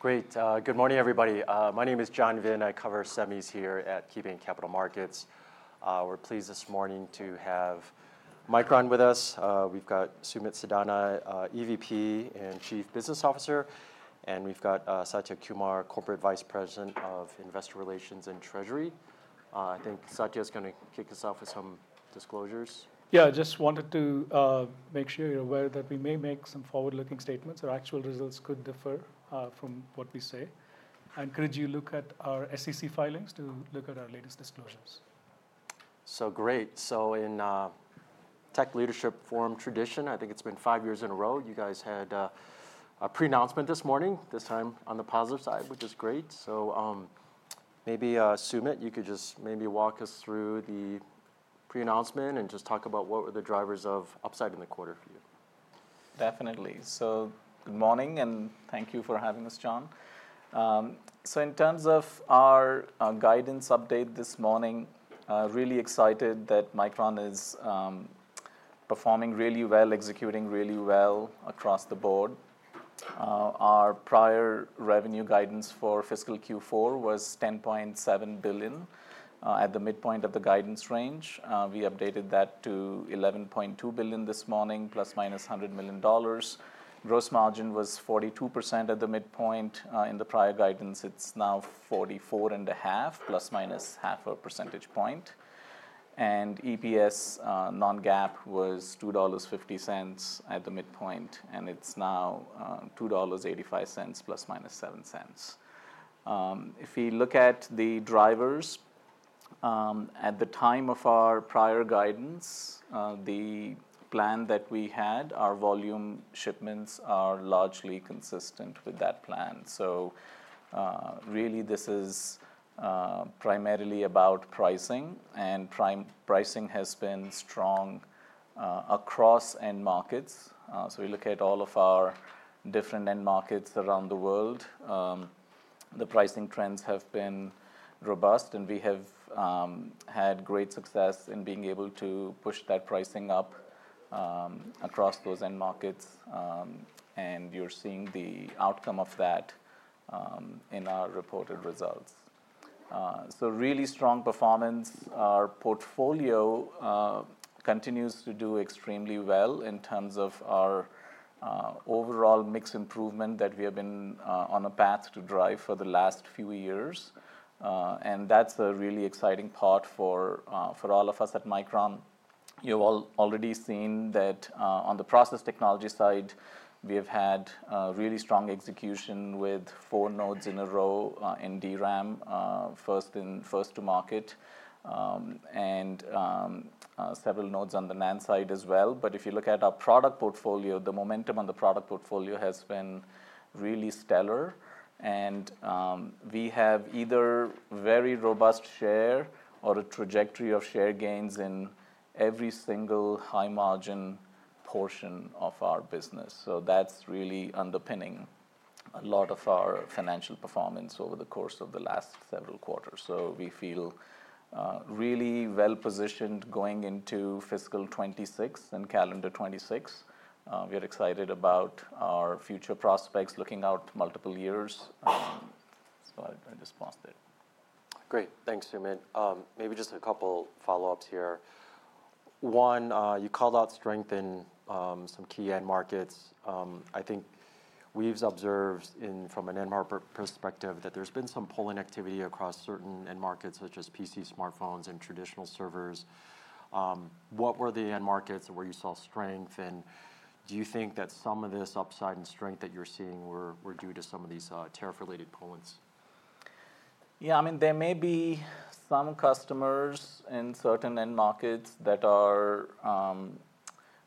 Great. Good morning, everybody. My name is John Vinh. I cover semis here at KeyBanc Capital Markets. We're pleased this morning to have Micron with us. We've got Sumit Sadana, EVP and Chief Business Officer, and we've got Satya Kumar, Corporate Vice President of Investor Relations and Treasury. I think Satya is going to kick us off with some disclosures. Yeah, I just wanted to make sure you're aware that we may make some forward-looking statements. Our actual results could differ from what we say. I encourage you to look at our SEC filings to look at our latest disclosures. In tech leadership forum tradition, I think it's been five years in a row you guys had a pre-announcement this morning, this time on the positive side, which is great. Maybe Sumit, you could just walk us through the pre-announcement and talk about what were the drivers of upside in the quarter for you. Definitely. Good morning and thank you for having us, John. In terms of our guidance update this morning, really excited that Micron is performing really well, executing really well across the board. Our prior revenue guidance for fiscal Q4 was $10.7 billion at the midpoint of the guidance range. We updated that to $11.2 billion this morning, ±$100 million. Gross margin was 42% at the midpoint in the prior guidance. It's now 44.5%± half a percentage point. EPS non-GAAP was $2.50 at the midpoint, and it's now $2.85, ±$0.07. If we look at the drivers, at the time of our prior guidance, the plan that we had, our volume shipments are largely consistent with that plan. This is primarily about pricing, and pricing has been strong across end markets. We look at all of our different end markets around the world. The pricing trends have been robust, and we have had great success in being able to push that pricing up across those end markets. You're seeing the outcome of that in our reported results. Really strong performance. Our portfolio continues to do extremely well in terms of our overall mix improvement that we have been on a path to drive for the last few years. That's a really exciting part for all of us at Micron. You've already seen that on the process technology side, we have had really strong execution with four nodes in a row in DRAM, first in first-to-market, and several nodes on the NAND side as well. If you look at our product portfolio, the momentum on the product portfolio has been really stellar. We have either very robust share or a trajectory of share gains in every single high margin portion of our business. That's really underpinning a lot of our financial performance over the course of the last several quarters. We feel really well positioned going into fiscal 2026 and calendar 2026. We're excited about our future prospects looking out multiple years. I just paused there. Great. Thanks, Sumit. Maybe just a couple follow-ups here. One, you called out strength in some key end markets. I think we've observed from an end market perspective that there's been some pulling activity across certain end markets such as PC, smartphones, and traditional servers. What were the end markets where you saw strength? Do you think that some of this upside and strength that you're seeing were due to some of these tariff-related points? Yeah, I mean, there may be some customers in certain end markets that are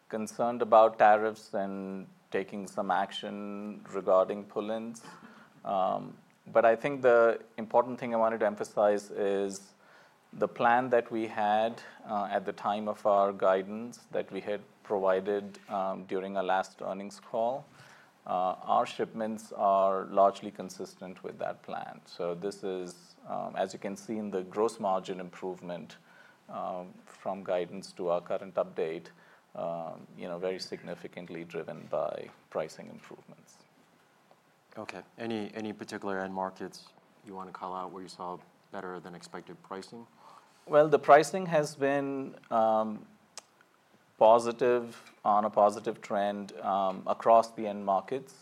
concerned about tariffs and taking some action regarding pull-ins. I think the important thing I wanted to emphasize is the plan that we had at the time of our guidance that we had provided during our last earnings call. Our shipments are largely consistent with that plan. This is, as you can see in the gross margin improvement from guidance to our current update, very significantly driven by pricing improvements. Okay. Any particular end markets you want to call out where you saw better than expected pricing? The pricing has been positive, on a positive trend across the end markets.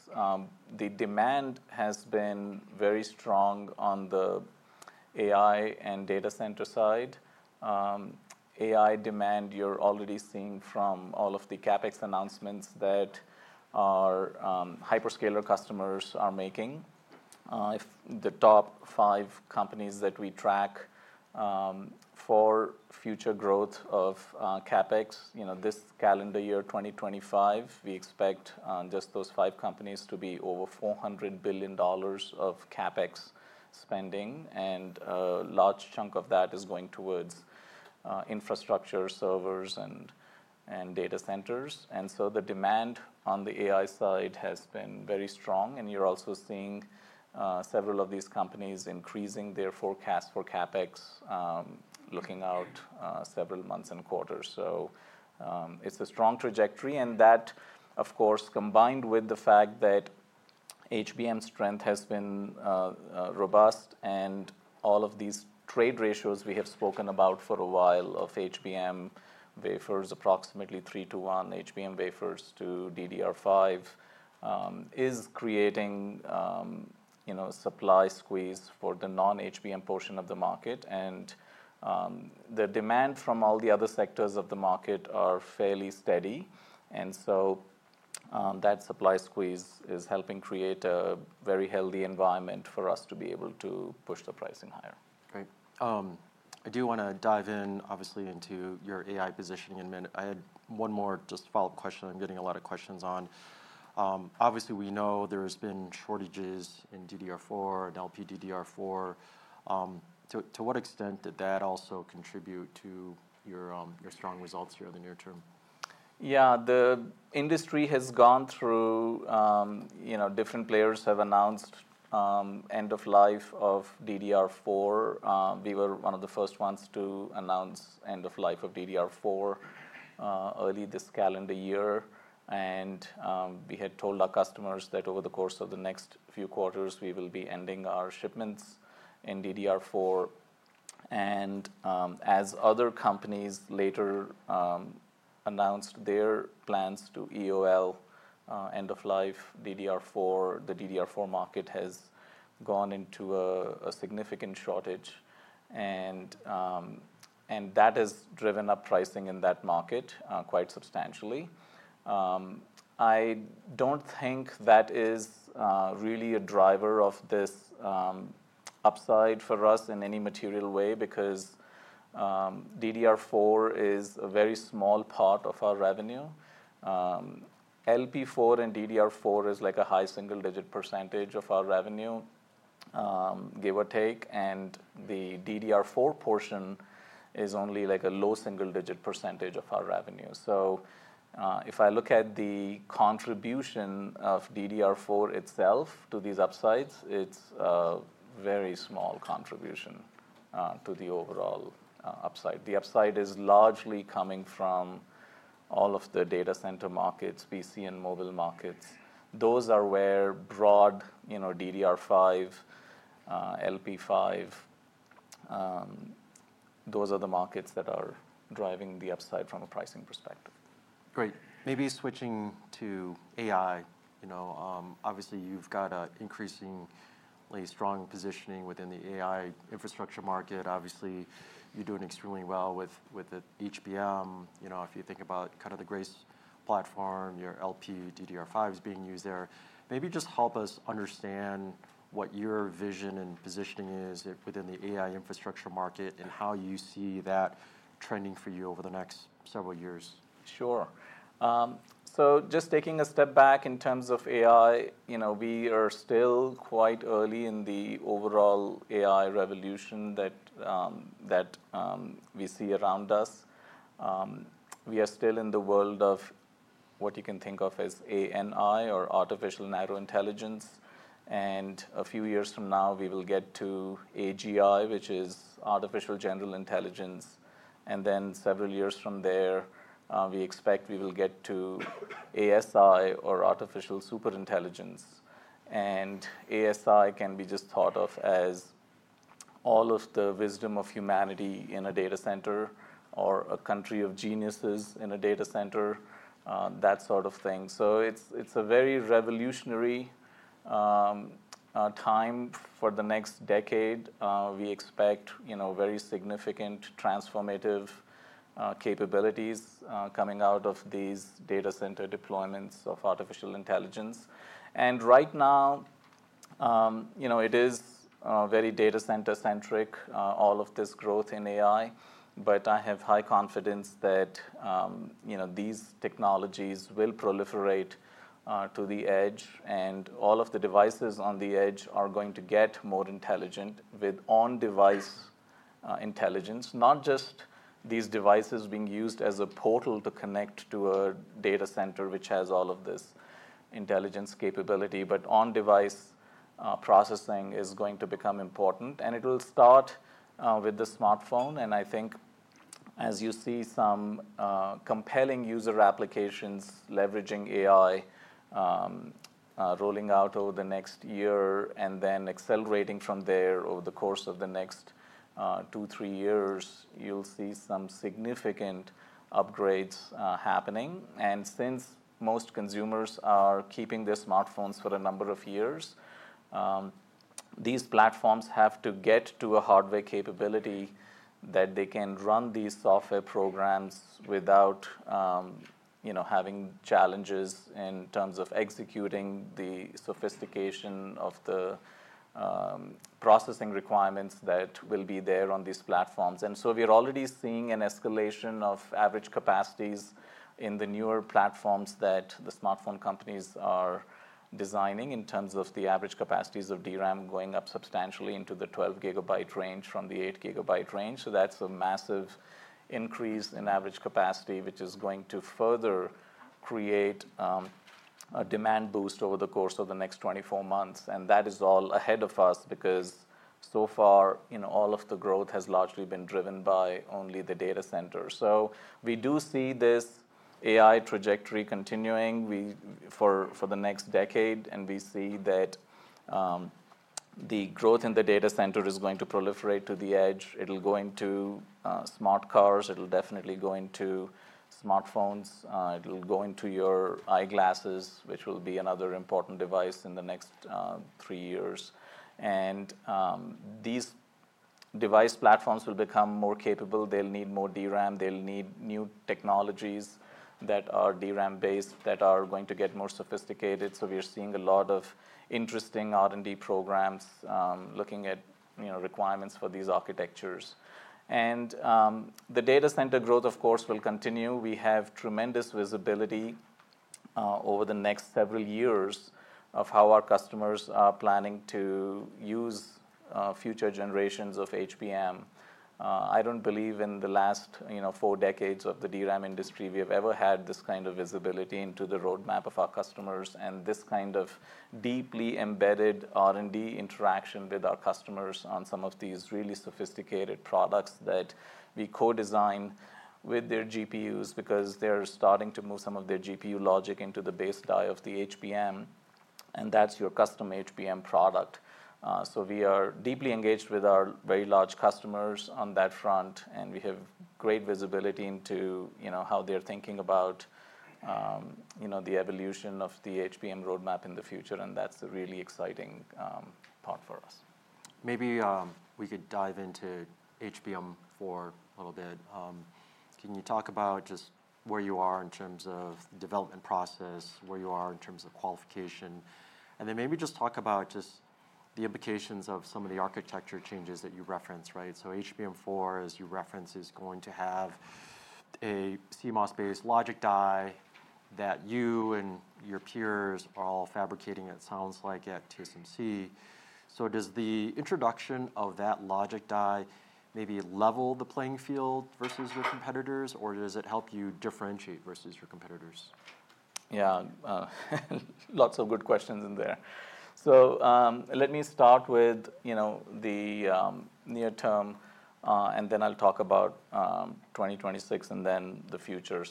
The demand has been very strong on the AI and data center side. AI demand you're already seeing from all of the CapEx announcements that our hyperscale customers are making. If the top five companies that we track for future growth of CapEx, this calendar year 2025, we expect just those five companies to be over $400 billion of CapEx spending. A large chunk of that is going towards infrastructure, servers, and data centers. The demand on the AI side has been very strong. You're also seeing several of these companies increasing their forecast for CapEx looking out several months and quarters. It's a strong trajectory. That, of course, combined with the fact that HBM strength has been robust and all of these trade ratios we have spoken about for a while of HBM wafers, approximately three to one HBM wafers to DDR5, is creating a supply squeeze for the non-HBM portion of the market. The demand from all the other sectors of the market is fairly steady. That supply squeeze is helping create a very healthy environment for us to be able to push the pricing higher. Great. I do want to dive in, obviously, into your AI positioning in a minute. I had one more just follow-up question I'm getting a lot of questions on. Obviously, we know there's been shortages in DDR4 and LPDDR4. To what extent did that also contribute to your strong results here in the near term? Yeah, the industry has gone through, different players have announced end of life of DDR4. We were one of the first ones to announce end of life of DDR4 early this calendar year. We had told our customers that over the course of the next few quarters, we will be ending our shipments in DDR4. As other companies later announced their plans to EOL end of life DDR4, the DDR4 market has gone into a significant shortage. That has driven up pricing in that market quite substantially. I don't think that is really a driver of this upside for us in any material way because DDR4 is a very small part of our revenue. LP4 and DDR4 is like a high single-digit % of our revenue, give or take. The DDR4 portion is only like a low single-digit % of our revenue. If I look at the contribution of DDR4 itself to these upsides, it's a very small contribution to the overall upside. The upside is largely coming from all of the data center markets, PC and mobile markets. Those are where broad DDR5, LP5, those are the markets that are driving the upside from a pricing perspective. Great. Maybe switching to AI, you know, obviously you've got an increasingly strong positioning within the AI infrastructure market. Obviously, you're doing extremely well with HBM. If you think about kind of the Grace platform, your LPDDR5 is being used there. Maybe just help us understand what your vision and positioning is within the AI infrastructure market and how you see that trending for you over the next several years. Sure. Just taking a step back in terms of AI, we are still quite early in the overall AI revolution that we see around us. We are still in the world of what you can think of as ANI or artificial narrow intelligence. A few years from now, we will get to AGI, which is artificial general intelligence. Several years from there, we expect we will get to ASI or artificial superintelligence. ASI can be just thought of as all of the wisdom of humanity in a data center or a country of geniuses in a data center, that sort of thing. It is a very revolutionary time for the next decade. We expect very significant transformative capabilities coming out of these data center deployments of artificial intelligence. Right now, it is very data center-centric, all of this growth in AI. I have high confidence that these technologies will proliferate to the edge. All of the devices on the edge are going to get more intelligent with on-device intelligence. Not just these devices being used as a portal to connect to a data center which has all of this intelligence capability, but on-device processing is going to become important. It will start with the smartphone. I think, as you see, some compelling user applications leveraging AI rolling out over the next year and then accelerating from there over the course of the next two, three years, you'll see some significant upgrades happening. Since most consumers are keeping their smartphones for a number of years, these platforms have to get to a hardware capability that they can run these software programs without having challenges in terms of executing the sophistication of the processing requirements that will be there on these platforms. We are already seeing an escalation of average capacities in the newer platforms that the smartphone companies are designing in terms of the average capacities of DRAM going up substantially into the 12 GB range from the 8 GB range. That is a massive increase in average capacity, which is going to further create a demand boost over the course of the next 24 months. That is all ahead of us because so far, all of the growth has largely been driven by only the data center. We do see this AI trajectory continuing for the next decade. We see that the growth in the data center is going to proliferate to the edge. It'll go into smart cars. It'll definitely go into smartphones. It'll go into your eyeglasses, which will be another important device in the next three years. These device platforms will become more capable. They'll need more DRAM. They'll need new technologies that are DRAM-based that are going to get more sophisticated. We're seeing a lot of interesting R&D programs looking at requirements for these architectures. The data center growth, of course, will continue. We have tremendous visibility over the next several years of how our customers are planning to use future generations of HBM. I don't believe in the last four decades of the DRAM industry we have ever had this kind of visibility into the roadmap of our customers and this kind of deeply embedded R&D interaction with our customers on some of these really sophisticated products that we co-design with their GPUs because they're starting to move some of their GPU logic into the base die of the HBM. That's your custom HBM product. We are deeply engaged with our very large customers on that front. We have great visibility into how they're thinking about the evolution of the HBM roadmap in the future. That's a really exciting part for us. Maybe we could dive into HBM for a little bit. Can you talk about just where you are in terms of the development process, where you are in terms of qualification? Maybe just talk about the implications of some of the architecture changes that you referenced, right? HBM4, as you referenced, is going to have a CMOS-based logic die that you and your peers are all fabricating, it sounds like, at TSMC. Does the introduction of that logic die maybe level the playing field versus your competitors, or does it help you differentiate versus your competitors? Yeah, lots of good questions in there. Let me start with the near term, and then I'll talk about 2026 and then the future.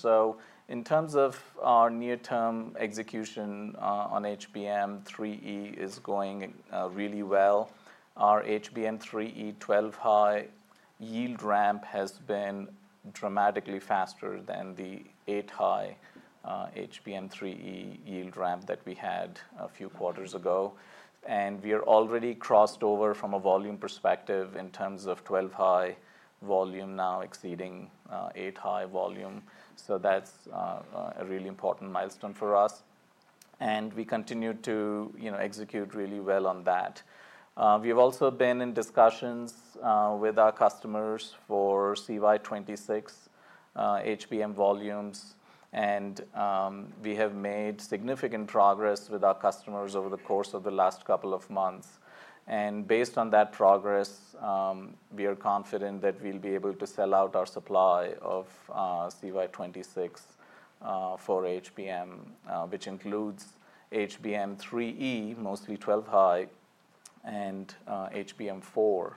In terms of our near-term execution on HBM3E, it's going really well. Our HBM3E 12-high yield ramp has been dramatically faster than the 8-high HBM3E yield ramp that we had a few quarters ago. We have already crossed over from a volume perspective in terms of 12-high volume now exceeding 8-high volume. That's a really important milestone for us, and we continue to execute really well on that. We've also been in discussions with our customers for CY26 HBM volumes. We have made significant progress with our customers over the course of the last couple of months. Based on that progress, we are confident that we'll be able to sell out our supply of CY26 for HBM, which includes HBM3E, mostly 12-high, and HBM4.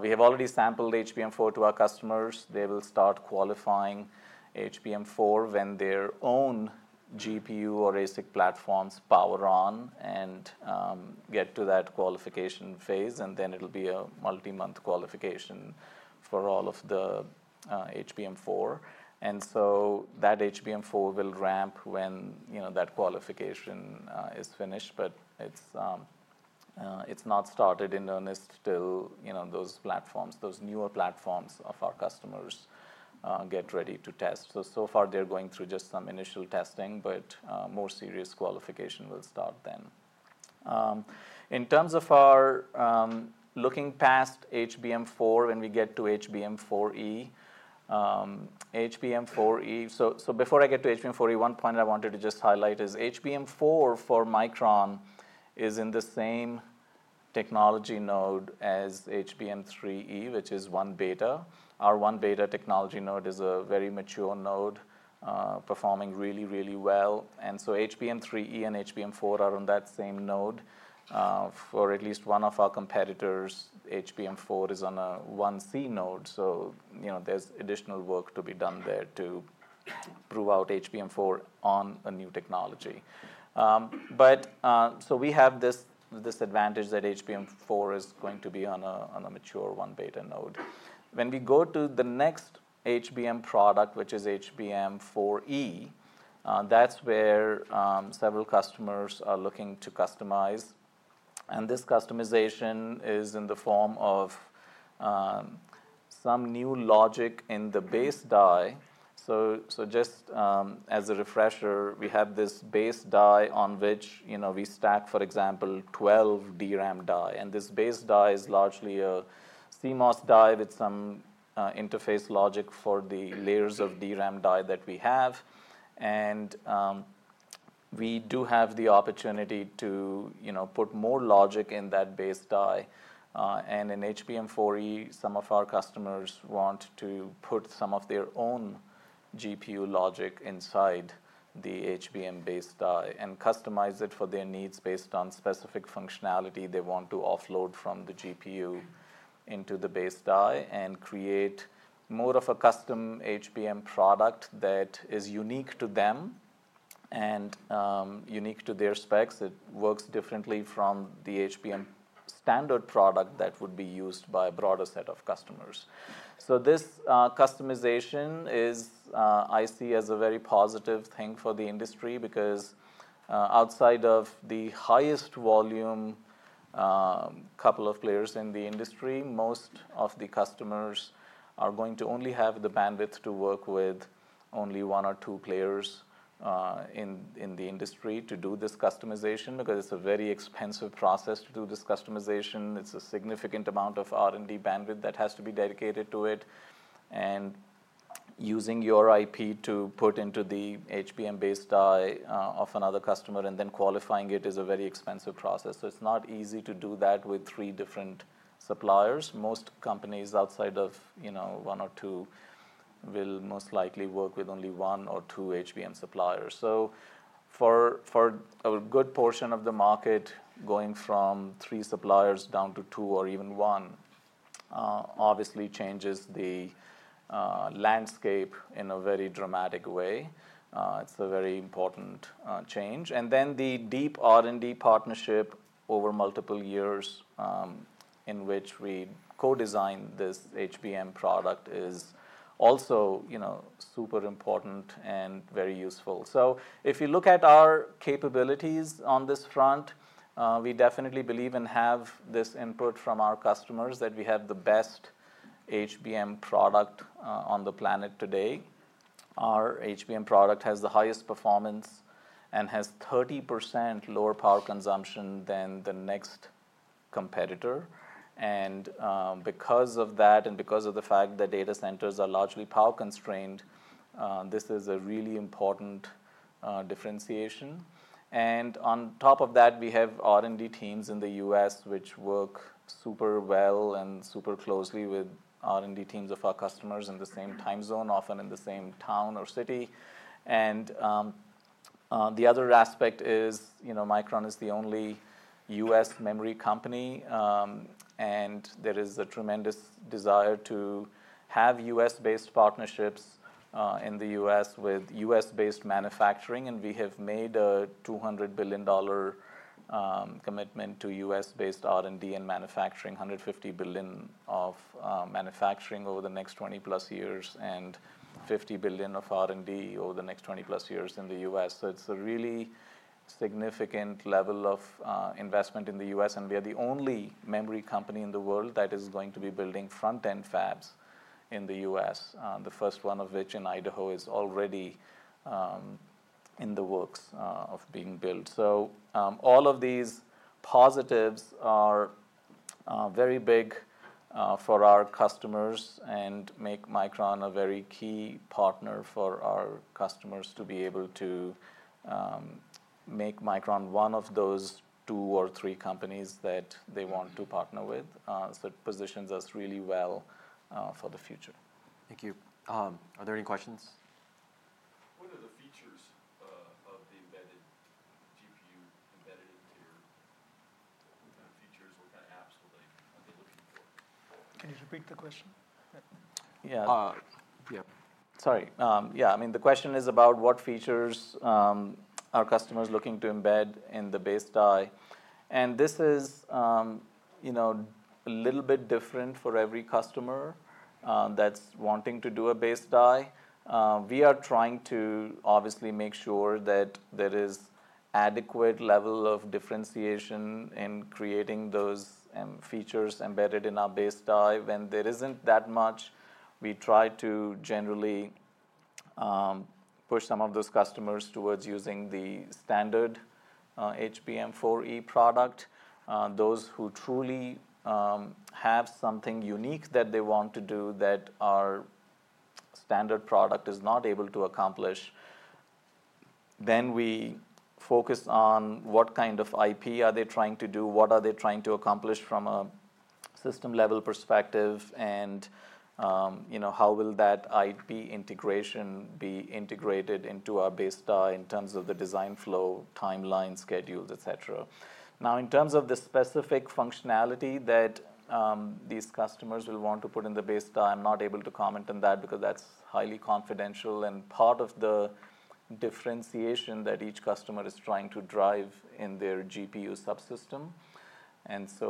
We have already sampled HBM4 to our customers. They will start qualifying HBM4 when their own GPU or ASIC platforms power on and get to that qualification phase. It'll be a multi-month qualification for all of the HBM4, and that HBM4 will ramp when that qualification is finished. It's not started in earnest till those platforms, those newer platforms of our customers, get ready to test. So far, they're going through just some initial testing, but more serious qualification will start then. In terms of looking past HBM4 and getting to HBM4E, before I get to HBM4E, one point I wanted to just highlight is HBM4 for Micron is in the same technology node as HBM3E, which is 1-beta. Our 1-beta technology node is a very mature node performing really, really well, so HBM3E and HBM4 are on that same node. For at least one of our competitors, HBM4 is on a 1C node, so there's additional work to be done there to prove out HBM4 on a new technology. We have this advantage that HBM4 is going to be on a mature 1-beta node. When we go to the next HBM product, which is HBM4E, that's where several customers are looking to customize. This customization is in the form of some new logic in the base die. Just as a refresher, we have this base die on which we stack, for example, 12 DRAM die. This base die is largely a CMOS die with some interface logic for the layers of DRAM die that we have, and we do have the opportunity to put more logic in that base die. In HBM4E, some of our customers want to put some of their own GPU logic inside the HBM base die and customize it for their needs based on specific functionality they want to offload from the GPU into the base die and create more of a custom HBM product that is unique to them and unique to their specs. It works differently from the HBM standard product that would be used by a broader set of customers. This customization is, I see, as a very positive thing for the industry because outside of the highest volume couple of players in the industry, most of the customers are going to only have the bandwidth to work with only one or two players in the industry to do this customization because it's a very expensive process to do this customization. It's a significant amount of R&D bandwidth that has to be dedicated to it. Using your IP to put into the HBM base die of another customer and then qualifying it is a very expensive process. It's not easy to do that with three different suppliers. Most companies outside of one or two will most likely work with only one or two HBM suppliers. For a good portion of the market, going from three suppliers down to two or even one obviously changes the landscape in a very dramatic way. It's a very important change. The deep R&D partnership over multiple years in which we co-design this HBM product is also super important and very useful. If you look at our capabilities on this front, we definitely believe and have this input from our customers that we have the best HBM product on the planet today. Our HBM product has the highest performance and has 30% lower power consumption than the next competitor. Because of that and because of the fact that data centers are largely power constrained, this is a really important differentiation. On top of that, we have R&D teams in the U.S. which work super well and super closely with R&D teams of our customers in the same time zone, often in the same town or city. The other aspect is, you know, Micron is the only U.S. memory company. There is a tremendous desire to have U.S.-based partnerships in the U.S. with U.S.-based manufacturing. We have made a $200 billion commitment to U.S.-based R&D and manufacturing, $150 billion of manufacturing over the next 20+ years and $50 billion of R&D over the next 20+ years in the U.S. It's a really significant level of investment in the U.S. We are the only memory company in the world that is going to be building front-end fabs in the U.S., the first one of which in Idaho is already in the works of being built. All of these positives are very big for our customers and make Micron a very key partner for our customers to be able to make Micron one of those two or three companies that they want to partner with. It positions us really well for the future. Thank you. Are there any questions? What are the features of the embedded GPU embedded in there? What features, what kind of apps are they looking for? Can you repeat the question? Yeah. Yeah, the question is about what features are customers looking to embed in the base die. This is a little bit different for every customer that's wanting to do a base die. We are trying to obviously make sure that there is an adequate level of differentiation in creating those features embedded in our base die. When there isn't that much, we try to generally push some of those customers towards using the standard HBM4E product. Those who truly have something unique that they want to do that our standard product is not able to accomplish, we focus on what kind of IP are they trying to do, what are they trying to accomplish from a system-level perspective, and how will that IP integration be integrated into our base die in terms of the design flow, timeline, schedules, etc. In terms of the specific functionality that these customers will want to put in the base die, I'm not able to comment on that because that's highly confidential and part of the differentiation that each customer is trying to drive in their GPU subsystem.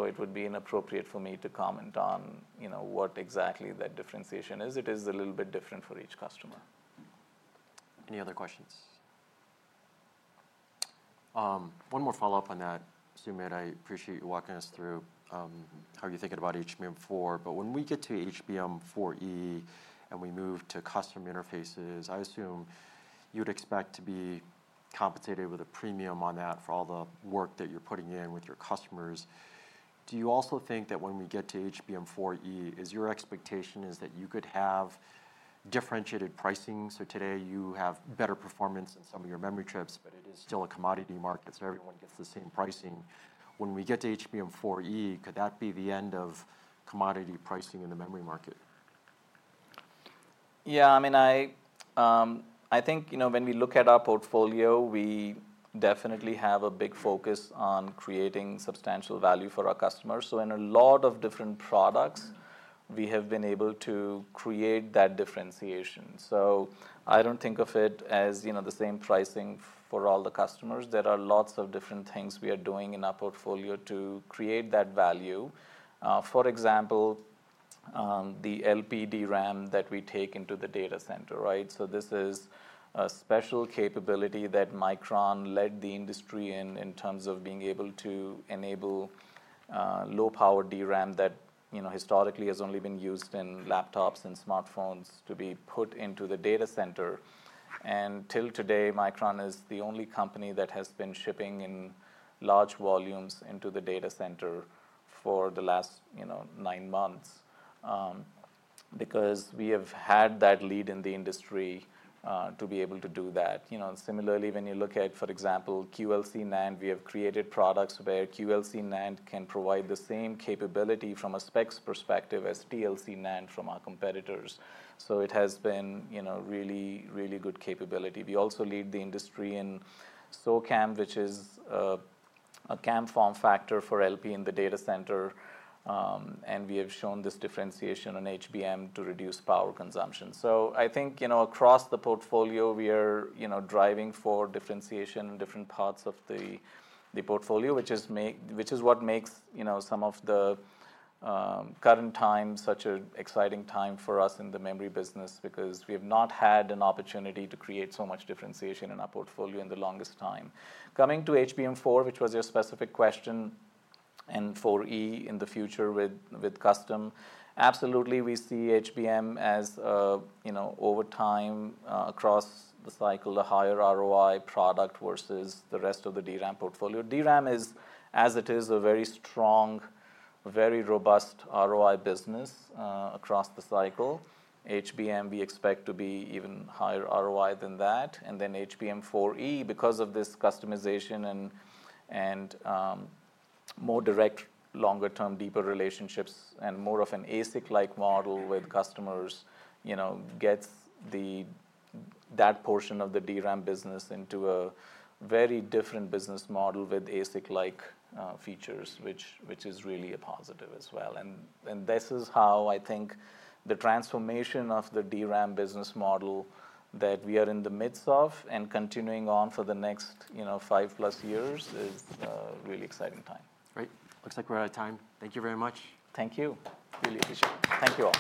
It would be inappropriate for me to comment on what exactly that differentiation is. It is a little bit different for each customer. Any other questions? One more follow-up on that, Sumit. I appreciate you walking us through how you're thinking about HBM4. When we get to HBM4E and we move to custom interfaces, I assume you'd expect to be compensated with a premium on that for all the work that you're putting in with your customers. Do you also think that when we get to HBM4E, is your expectation that you could have differentiated pricing? Today you have better performance in some of your memory chips, but it is still a commodity market, so everyone gets the same pricing. When we get to HBM4E, could that be the end of commodity pricing in the memory market? Yeah, I mean, I think when we look at our portfolio, we definitely have a big focus on creating substantial value for our customers. In a lot of different products, we have been able to create that differentiation. I don't think of it as the same pricing for all the customers. There are lots of different things we are doing in our portfolio to create that value. For example, the LPDDR that we take into the data center, right? This is a special capability that Micron led the industry in, in terms of being able to enable low-power DRAM that historically has only been used in laptops and smartphones to be put into the data center. Till today, Micron is the only company that has been shipping in large volumes into the data center for the last nine months because we have had that lead in the industry to be able to do that. Similarly, when you look at, for example, QLC NAND, we have created products where QLC NAND can provide the same capability from a specs perspective as TLC NAND from our competitors. It has been really, really good capability. We also lead the industry in LPCAMM2, which is a CAMM form factor for LP in the data center. We have shown this differentiation in HBM to reduce power consumption. I think across the portfolio, we are driving for differentiation in different parts of the portfolio, which is what makes some of the current times such an exciting time for us in the memory business because we have not had an opportunity to create so much differentiation in our portfolio in the longest time. Coming to HBM4, which was your specific question, and HBM4E in the future with custom, absolutely, we see HBM as, over time across the cycle, a higher ROI product versus the rest of the DRAM portfolio. DRAM is, as it is, a very strong, very robust ROI business across the cycle. HBM, we expect to be even higher ROI than that. HBM4E, because of this customization and more direct, longer-term, deeper relationships and more of an ASIC-like model with customers, gets that portion of the DRAM business into a very different business model with ASIC-like features, which is really a positive as well. This is how I think the transformation of the DRAM business model that we are in the midst of and continuing on for the next five-plus years is a really exciting time. Great. Looks like we're out of time. Thank you very much. Thank you. Really appreciate it. Thank you all.